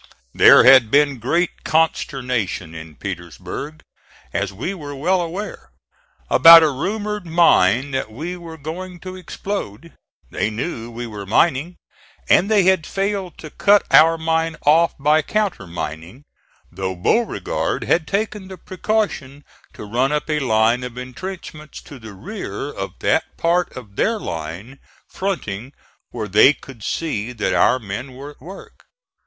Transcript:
There had been great consternation in Petersburg, as we were well aware, about a rumored mine that we were going to explode. They knew we were mining, and they had failed to cut our mine off by countermining, though Beauregard had taken the precaution to run up a line of intrenchments to the rear of that part of their line fronting where they could see that our men were at work.